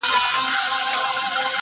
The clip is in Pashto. چي روږدي سوی له کوم وخته په گيلاس يمه.